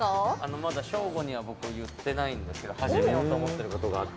まだショーゴには言ってないんですけど始めようと思っていることがあって。